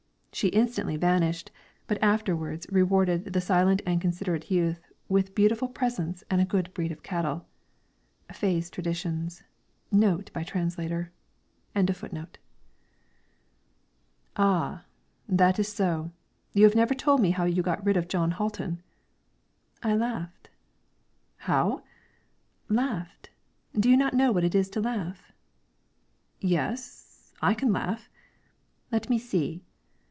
She instantly vanished, but afterwards rewarded the silent and considerate youth with beautiful presents and a good breed of cattle. FAYE'S Traditions. NOTE BY TRANSLATOR.] "Ah! that is so. You have never told me how you got rid of Jon Hatlen." "I laughed." "How?" "Laughed. Do not you know what it is to laugh?" "Yes; I can laugh." "Let me see!"